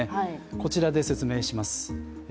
こちらで説明します。